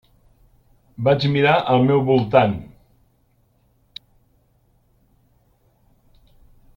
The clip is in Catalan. Vaig mirar al meu voltant.